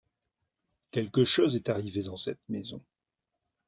Quelque chose est arrivé dans cette maison.